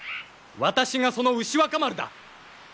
私がその牛若丸だ。